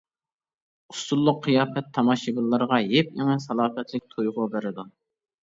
ئۇسسۇللۇق قىياپەت تاماشىبىنلارغا يېپيېڭى، سالاپەتلىك تۇيغۇ بېرىدۇ.